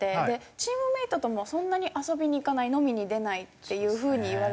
チームメートともそんなに遊びに行かない飲みに出ないっていう風にいわれてるじゃないですか。